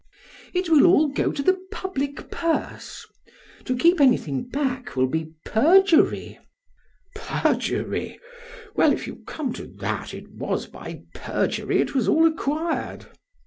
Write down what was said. PRAX. It will all go to the public purse. To keep anything back will be perjury. BLEPS. Perjury! Well, if you come to that, it was by perjury it was all acquired.